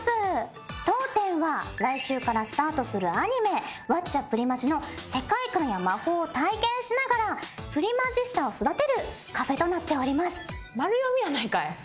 当店は来週からスタートするアニメ『ワッチャプリマジ！』の世界観や魔法を体験しながらプリマジスタを育てるカフェとなっております。